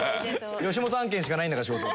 吉本案件しかないんだから仕事。